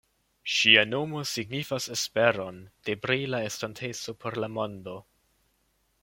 Ŝia nomo signifas esperon de brila estonteco por la mondo.